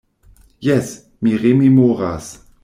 Jes, mi rememoras.